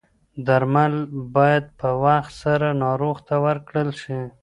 درمل باید په وخت سره ناروغ ته ورکړل شي.